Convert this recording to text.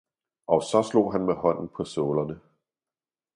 og så slog han med hånden på sålerne.